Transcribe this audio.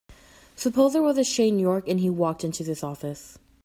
Suppose there was a Shane York and he walked into this office.